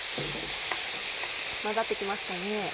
混ざって来ましたね。